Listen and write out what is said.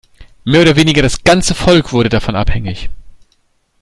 Mehr oder weniger das ganze Volk wurde davon abhängig.